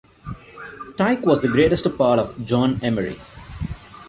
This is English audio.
Tyke was the greatest part of John Emery.